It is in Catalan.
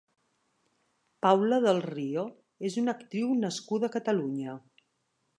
Paula del Rio és una actriu nascuda a Catalunya.